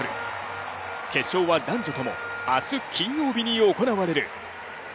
決勝は男女とも明日金曜日に行われる。